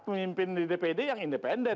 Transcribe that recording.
pemimpin dpr yang independen